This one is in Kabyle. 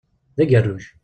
D agerruj.